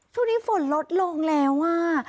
ช่วงนี้ฝนลดลงแล้วอ่ะ